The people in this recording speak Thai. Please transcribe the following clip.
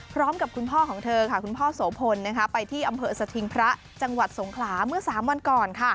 พร้อมกับคุณพ่อของเธอค่ะคุณพ่อโสพลไปที่อำเภอสถิงพระจังหวัดสงขลาเมื่อ๓วันก่อน